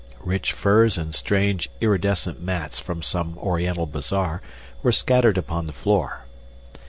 Rich furs and strange iridescent mats from some Oriental bazaar were scattered upon the floor.